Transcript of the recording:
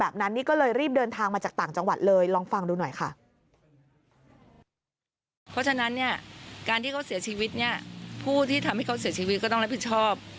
เพราะฉะนั้นเนี่ยการที่เขาเสียชีวิตเนี่ยผู้ที่ทำให้เขาเสียชีวิตก็ต้องรับผิดชอบ